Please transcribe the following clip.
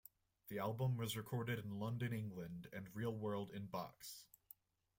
The album was recorded in London, England, and Real World in Box.